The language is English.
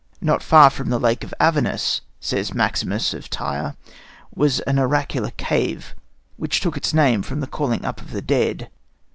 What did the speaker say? "Not far from the lake of Avernus," says Maximus of Tyre, "was an oracular cave, which took its name from the calling up of the dead.